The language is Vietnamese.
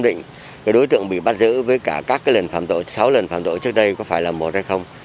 đối tượng bị bắt giữ với các lần phạm tội sáu lần phạm tội trước đây có phải là một hay không